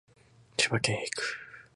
千葉県へ行く